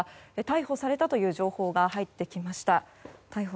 逮捕されたという情報が入ってきました。